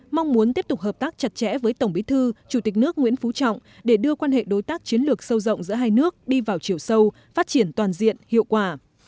mong muốn tiếp tục hợp tác chặt chẽ với tổng bí thư chủ tịch nước nguyễn phú trọng để đưa quan hệ đối tác chiến lược sâu rộng giữa hai nước đi vào chiều sâu phát triển toàn diện hiệu quả